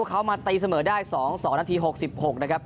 เขามาตีเสมอได้๒๒นาที๖๖นะครับ